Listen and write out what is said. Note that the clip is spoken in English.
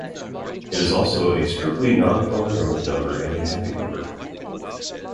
It is also a strictly non-palindromic number and a happy number.